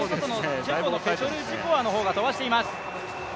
チェコのペトルジコワの方が飛ばしています。